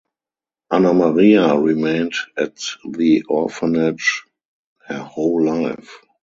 Anna Maria remained at the orphanage her whole life.